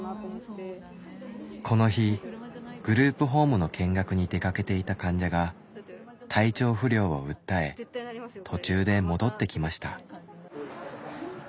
この日グループホームの見学に出かけていた患者が体調不良を訴え途中で戻ってきました。